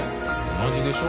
同じでしょ？